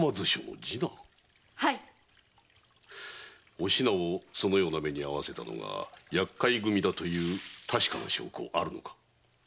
お品をそのような目に遭わせたのが厄介組だという確かな証拠あるのか？